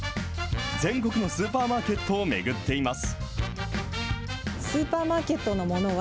全国のスーパーマーケットを巡っています。